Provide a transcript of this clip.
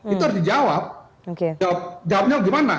itu harus dijawab jawabnya gimana